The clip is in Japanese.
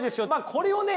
これをね